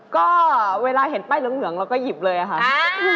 ก็เวลาเห็นป้ายเหลืองเราก็หยิบเลยค่ะ